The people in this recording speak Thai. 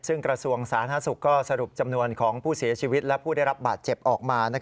ซึ่งกระทรวงสาธารณสุขก็สรุปจำนวนของผู้เสียชีวิตและผู้ได้รับบาดเจ็บออกมา